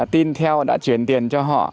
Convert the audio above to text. tin theo đã chuyển tiền cho họ